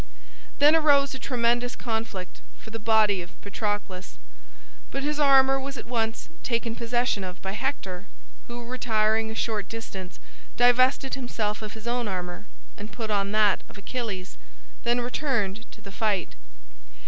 Then arose a tremendous conflict for the body of Patroclus, but his armor was at once taken possession of by Hector, who retiring a short distance divested himself of his own armor and put on that of Achilles, then returned to the fight.